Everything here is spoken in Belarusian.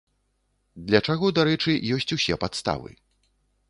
Для чаго, дарэчы, ёсць усе падставы.